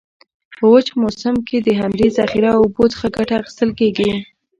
په وچ موسم کې د همدي ذخیره اوبو څخه کټه اخیستل کیږي.